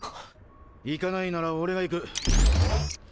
行かないなら俺が行く。